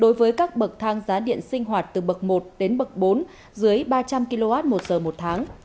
đối với các bậc thang giá điện sinh hoạt từ bậc một đến bậc bốn dưới ba trăm linh kwh một giờ một tháng